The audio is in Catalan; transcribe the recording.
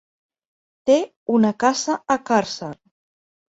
Té una casa a Càrcer.